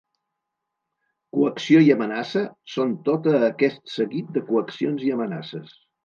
Coacció i amenaça són tota aquest seguit de coaccions i amenaces.